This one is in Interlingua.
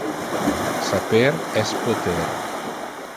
Saper es poter